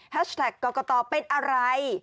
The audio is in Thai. แท็กกรกตเป็นอะไร